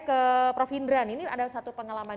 ke prof hindran ini ada satu pengalaman